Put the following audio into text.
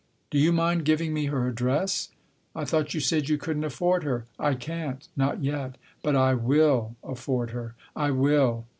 " Do you mind giving me her address ?"" I thought you said you couldn't afford her ?"" I can't. Not yet. But I will afford her. I will.